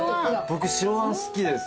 僕白あん好きです。